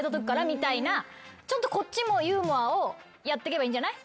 みたいなちょっとこっちもユーモアをやってけばいいんじゃない？